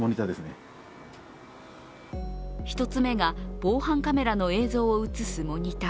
１つ目が防犯カメラの映像を映すモニター。